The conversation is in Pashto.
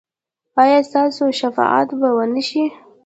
ایا ستاسو شفاعت به و نه شي؟